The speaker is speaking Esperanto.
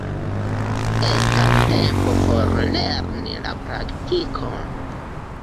Estas tempo por lerni la praktikon.